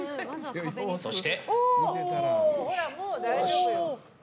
そして。